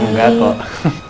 terima kasih loh pak al